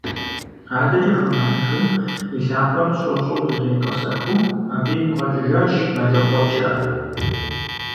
АдэкӀэ хуэмыхьыжу, и лъакъуэр щӀэщӀэу зэретӀысэхыу, абы игу къэкӀыжащ мэлыхъуэ пщыӀэр.